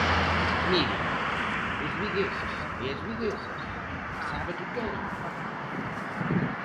Mire, os vigueses e as viguesas, ¿sabe que queren?